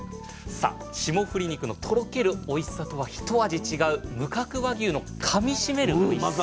さあ霜降り肉の「とろけるおいしさ」とは一味違う無角和牛の「かみしめるおいしさ」。